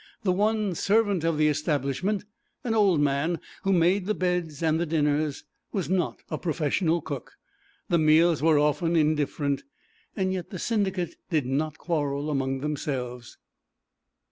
The one servant of the establishment, an old man who made the beds and the dinners, was not a professional cook; the meals were often indifferent; yet the Syndicate did not quarrel among themselves.